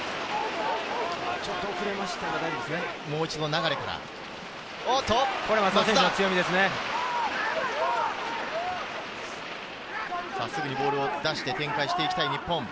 もう一度、流から松田。すぐにボールを出して展開していきたい日本。